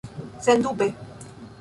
Sendube.